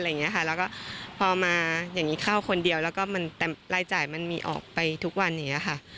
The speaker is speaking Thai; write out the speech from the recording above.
แล้วก็พอมาอย่างนี้เข้าคนเดียวแล้วก็มันแต่รายจ่ายมันมีออกไปทุกวันอย่างนี้ค่ะ